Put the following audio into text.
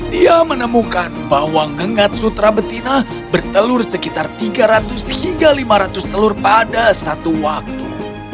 dia menemukan bahwa ngengat sutra betina bertelur sekitar tiga ratus hingga lima ratus telur pada satu waktu